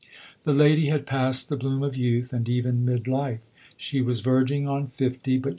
The lady had passed the bloom of youth, and even mid life; she was verging on fifty, but.